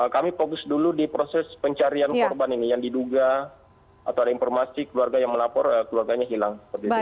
kami fokus dulu di proses pencarian korban ini yang diduga atau ada informasi keluarga yang melapor keluarganya hilang